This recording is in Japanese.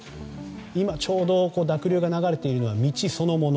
今ちょうど濁流が流れているのは道そのもの。